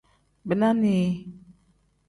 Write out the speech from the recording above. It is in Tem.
Bina nii.